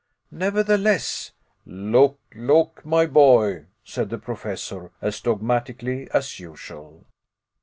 "Nevertheless " "Look, look, my boy," said the Professor, as dogmatically as usual.